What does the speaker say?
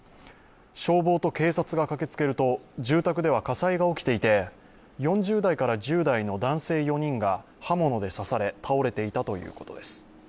消防と警察が駆けつけると、住宅では火災が起きていて、４０代から１０代の男性４人が刃物で刺され倒れていたということです。